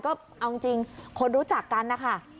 ก็เอาจริงคนรู้จักกันนะคะ